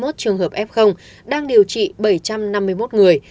một hai trăm tám mươi một trường hợp f đang điều trị bảy trăm năm mươi một người